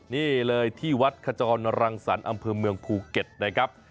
นี่เลยที่วัดขจรรังสรรค์อำเภอเมืองภูเก็ตนะครับ